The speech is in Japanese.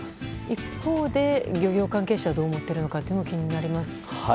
一方で漁業関係者はどう思っているかも気になります。